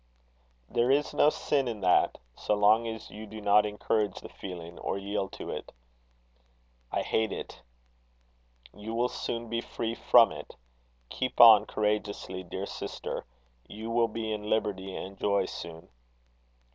"There is no sin in that, so long as you do not encourage the feeling, or yield to it." "I hate it." "You will soon be free from it. Keep on courageously, dear sister. You will be in liberty and joy soon."